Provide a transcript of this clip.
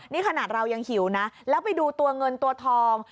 นี่ขนาดเรายังหิวนะแล้วไปดูตัวเงินตัวทอง